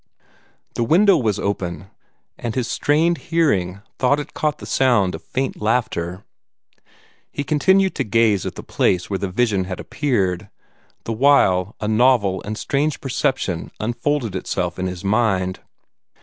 The window was open, and his strained hearing thought it caught the sound of faint laughter. He continued to gaze at the place where the vision had appeared, the while a novel and strange perception unfolded itself upon his mind.